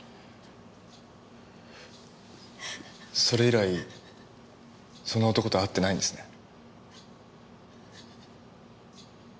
それ以来その男とは会ってないんですね？